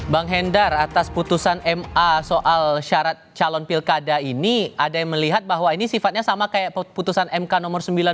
bang hendar atas putusan ma soal syarat calon pilkada ini ada yang melihat bahwa ini sifatnya sama kayak putusan mk nomor sembilan belas